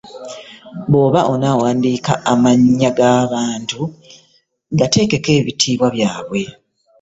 Bw'oba onaawandiika amannya g'abantu gateekeko ebitiibwa byabwe.